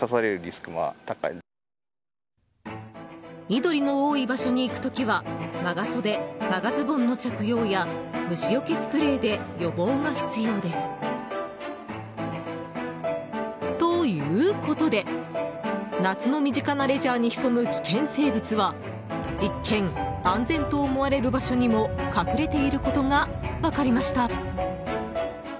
緑の多い場所に行く時は長袖、長ズボンの着用や虫除けスプレーで予防が必要です。ということで、夏の身近なレジャーに潜む危険生物は一見、安全と思われる場所にも隠れていることが分かりました。